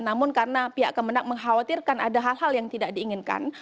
namun karena pihak kemenang mengkhawatirkan ada hal hal yang tidak diinginkan